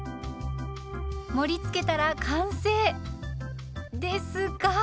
盛りつけたら完成ですが。